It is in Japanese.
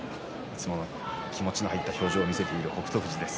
気持ちの入った表情を見せている北勝富士です。